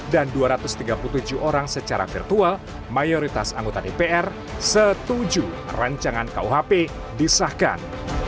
dua ratus tiga puluh tujuh orang secara virtual mayoritas anggota dpr setuju rancangan kuhp disahkan